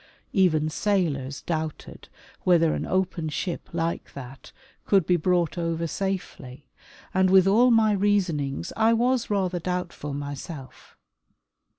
Even sailors doubted whether an open ship like that could be brought over safely, and with all my reasonings I was rather doubtful myself.